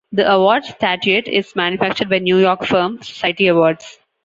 The award statuette is manufactured by New York firm Society Awards.